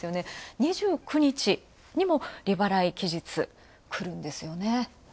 ２９日にも利払い期日くるんですよね。